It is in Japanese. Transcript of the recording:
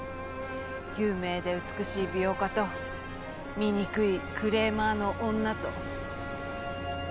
有名で美しい美容家と醜いクレーマーの女と。